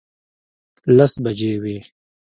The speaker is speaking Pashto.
لس بجې وې.